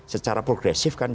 secara progresif kan